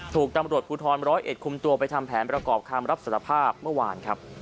ถูกตำรวจภูทรร้อยเอ็ดคุมตัวไปทำแผนประกอบคำรับสารภาพเมื่อวานครับ